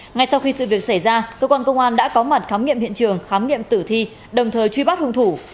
ngay sau khi sự việc xảy ra cơ quan công an đã có mặt khám nghiệm hiện trường khám nghiệm tử thi đồng thời truy bắt hung thủ